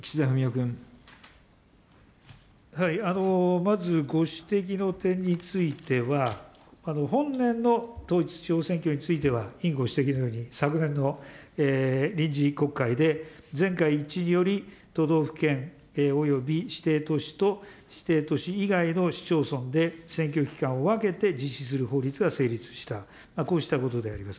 まずご指摘の点については、本年の統一地方選挙については、委員ご指摘のように、昨年の臨時国会で全会一致により、都道府県および指定都市と指定都市以外の市町村で選挙期間を分けて実施する法律が成立した、こうしたことであります。